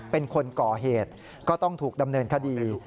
เป็นคนก่อเหตุก็ต้องถูกดำเนินคดี